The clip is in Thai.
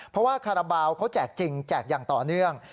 เพราะว่าคาราบาลเขาแจกจริงแจกอย่างต่อเนื่อง